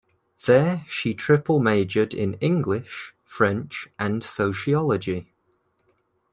There, she triple majored in English, French, and Sociology.